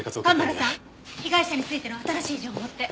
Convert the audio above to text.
蒲原さん被害者についての新しい情報って？